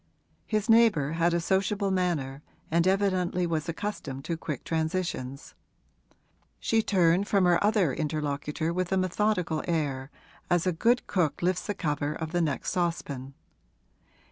His neighbour had a sociable manner and evidently was accustomed to quick transitions; she turned from her other interlocutor with a methodical air, as a good cook lifts the cover of the next saucepan.